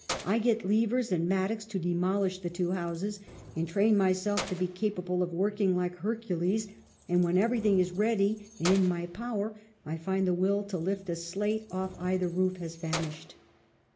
I get levers and mattocks to demolish the two houses, and train myself to be capable of working like Hercules, and when everything is ready and in my power, I find the will to lift a slate off either roof has vanished.'